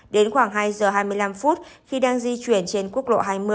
đến khoảng hai giờ hai mươi năm phút khi đang di chuyển trên quốc lộ hai mươi